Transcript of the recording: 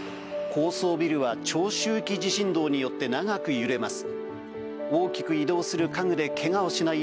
高層ビルは長周期振動によって揺れます。